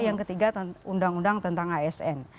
yang ketiga undang undang tentang asn